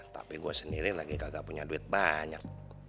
tapi gue sendiri lagi gak punya duit banyak